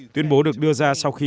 tuyên bố được đưa ra sau khi